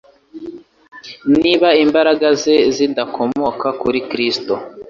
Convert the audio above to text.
niba imbaraga ze zidakomoka kuri Kristo.